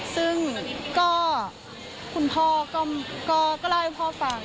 ซึ่งก็คุณพอก็รอให้พ่อฟัง